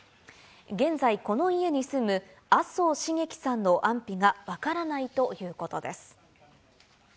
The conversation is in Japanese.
現在、この家に住む麻生繁喜さんの安否が分からないということです。